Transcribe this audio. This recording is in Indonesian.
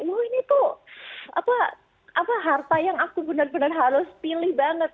oh ini tuh apa harta yang aku benar benar harus pilih banget